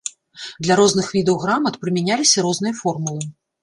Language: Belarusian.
Для розных відаў грамат прымяняліся розныя формулы.